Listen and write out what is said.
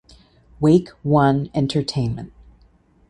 Wake One Entertainment